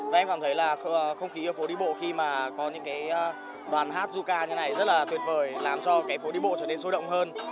và em cảm thấy là không khí ở phố đi bộ khi mà có những đoàn hát du ca như này rất là tuyệt vời làm cho cái phố đi bộ trở nên sôi động hơn